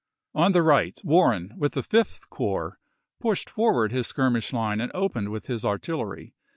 On the right Wan en, with the Fifth Corps, pushed forward his skirmish line and opened with his artiUery.